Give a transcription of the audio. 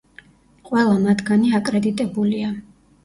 ყველა მათგანი აკრედიტებულია.